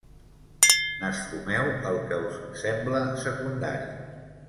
N'esfumeu el què us sembla secundari.